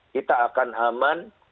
kita akan aman